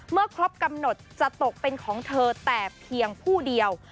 ครบกำหนดจะตกเป็นของเธอแต่เพียงผู้เดียว